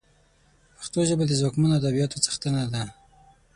پښتو ژبه د ځواکمنو ادبياتو څښتنه ده